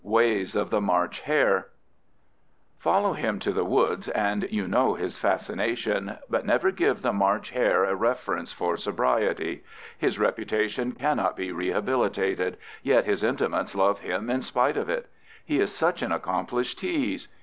WAYS OF THE MARCH HARE Follow him to the woods and you know his fascination, but never give the March hare a reference for sobriety. His reputation cannot be rehabilitated, yet his intimates love him in spite of it. He is such an accomplished tease!